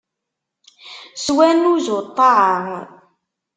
S wannuz, u ṭṭaɛa.